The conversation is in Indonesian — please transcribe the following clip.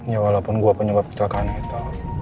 ya walaupun gue penyebab kita kena itu